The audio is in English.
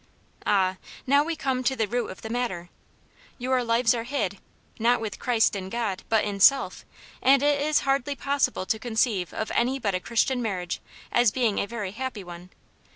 Ah, now we come to the root of the matter ! Your lives are hid, not with Christ in God, but in self, and it is hardly possible to conceive of any but a Christian marriage as being a very happy one.